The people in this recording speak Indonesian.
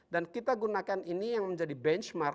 dan kita gunakan ini yang menjadi benchmark